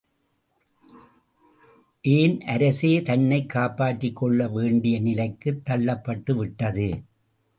ஏன் அரசே தன்னைக் காப்பாற்றிக் கொள்ள வேண்டிய நிலைக்குத் தள்ளப்பட்டுவிட்டது.